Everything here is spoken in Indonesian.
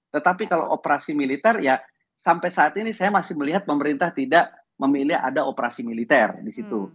tetapi kalau operasi militer ya sampai saat ini saya masih melihat pemerintah tidak memilih ada operasi militer di situ